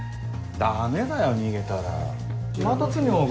ダメだよ逃げたら。